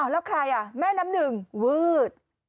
แล้วใครอ่ะแม่น้ำหนึ่งวืด